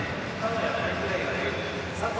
佐藤